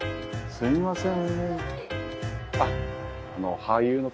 すみません。